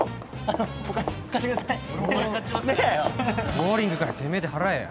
ボウリングぐらいてめえで払えや。